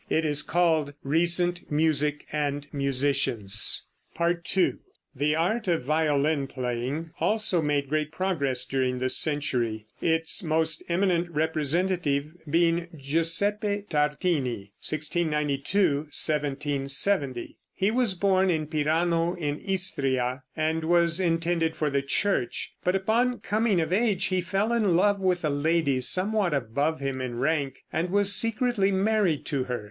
It is called "Recent Music and Musicians." II. The art of violin playing also made great progress during this century, its most eminent representative being Giuseppe Tartini (1692 1770). He was born in Pirano, in Istria, and was intended for the church, but upon coming of age he fell in love with a lady somewhat above him in rank, and was secretly married to her.